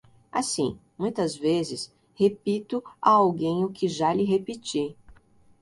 Assim, muitas vezes, repito a alguém o que já lhe repeti